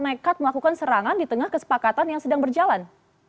atau mereka sempat mekat melakukan serangan di tengah kesepakatan yang sedang berjalan